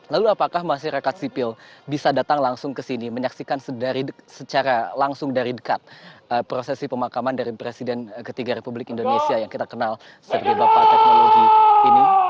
lalu apakah masyarakat sipil bisa datang langsung ke sini menyaksikan secara langsung dari dekat prosesi pemakaman dari presiden ketiga republik indonesia yang kita kenal sebagai bapak teknologi ini